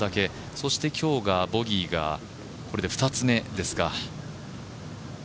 そして今日がボギーがこれで２つ目ですか。